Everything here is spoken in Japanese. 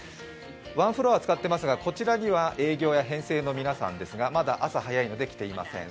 ワンフロア使っていますが、こちらには営業や編成の皆さんですが、まだ朝早いので、来ていません。